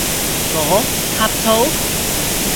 我？呷醋？